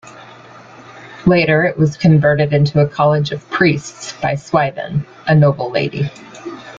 Later it was converted into a college of priests by "Swithen", a noble lady".